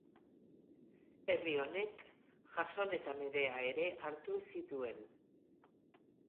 Herri honek, Jason eta Medea ere hartu zituen.